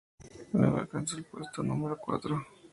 Luego alcanzó el puesto número cuatro.